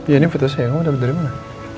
ya ini foto saya kamu dapet dari mana